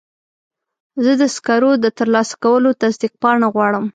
زه د سکرو د ترلاسه کولو تصدیق پاڼه غواړم.